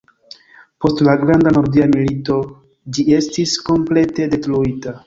Post la Granda Nordia Milito ĝi estis komplete detruita.